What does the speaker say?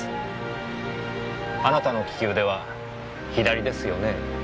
あなたの利き腕は左ですよねえ？